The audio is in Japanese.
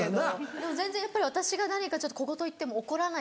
でも全然やっぱり私が何か小言言っても怒らない